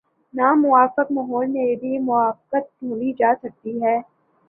ناموافق ماحول میں بھی موافقت ڈھونڈی جا سکتی ہے۔